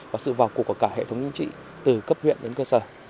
và sự vào cuộc của cả hệ thống chính trị từ cấp huyện đến cơ sở